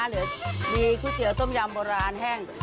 หรือมีก๋วยเตี๋ยต้มยำโบราณแห้ง